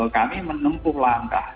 kami menempuh langkah